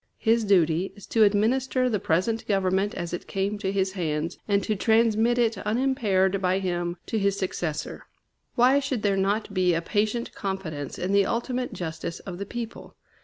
His duty is to administer the present government as it came to his hands, and to transmit it unimpaired by him to his successor. Why should there not be a patient confidence in the ultimate justice of the people?